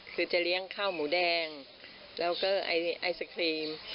คือจะเลี้ยงข้าวหมูแดงแล้วก็ไอศครีม